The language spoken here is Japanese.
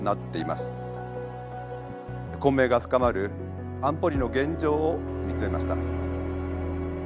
混迷が深まる安保理の現状を見つめました。